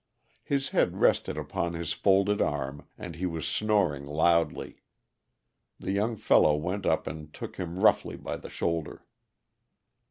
His head rested upon his folded arms, and he was snoring loudly. The young fellow went up and took him roughly by the shoulder.